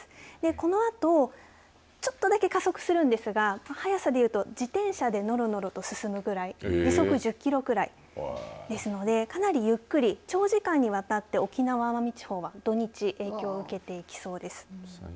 このあとちょっとだけ加速するんですが速さでいうと自転車でのろのろと進むぐらい時速１０キロぐらいですのでかなりゆっくり長時間にわたって沖縄・奄美地方は土日影響を受けてきそうです。